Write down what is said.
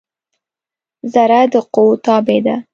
ذره د قوؤ تابع ده.